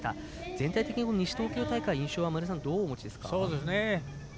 全体的に西東京大会の印象は前田さん、どうお持ちですか？